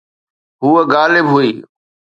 هوءَ غائب هئي.